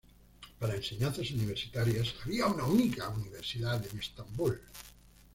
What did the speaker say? Para enseñanzas universitarias había una única universidad en Estambul.